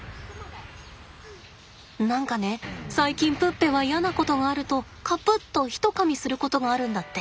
何かね最近プッペは嫌なことがあるとカプッとひとかみすることがあるんだって。